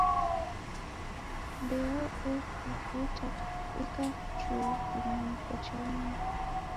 Mbeo efufuta ikafuchua kiw'aniko cha nyumba.